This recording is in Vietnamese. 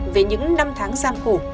về những năm tháng sang khổ